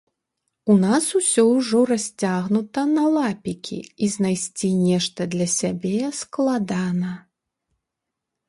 У нас усё ўжо расцягнута на лапікі і знайсці нешта для сябе складана.